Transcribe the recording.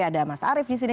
ada mas arief di sini